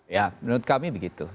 ya menurut kami begitu